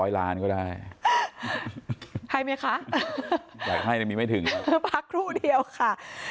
ก็ได้ให้ไหมคะอยากให้มีไม่ถึงพักครู่เดียวค่ะ